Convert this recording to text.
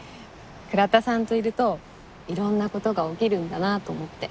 倉田さんといるといろんな事が起きるんだなあと思って。